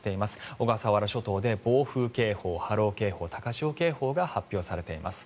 小笠原諸島で暴風警報、波浪警報、高潮警報が発表されています。